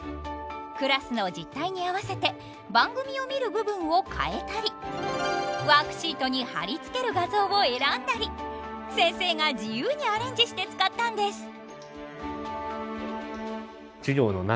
クラスの実態に合わせて番組を見る部分を変えたりワークシートに貼り付ける画像を選んだり先生が自由にアレンジして使ったんです。